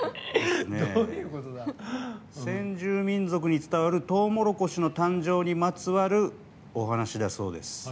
先住民族に伝わるとうもろこしの誕生に関するお話だそうです。